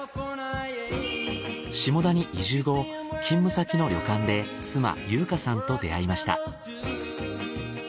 下田に移住後勤務先の旅館で妻優華さんと出会いました。